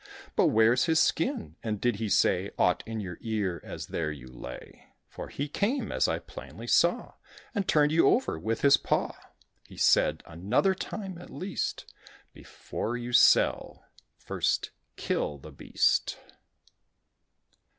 But where's his skin? and did he say Aught in your ear, as there you lay? For he came, as I plainly saw, And turned you over with his paw." "He said, 'Another time, at least, Before you sell, first kill the beast."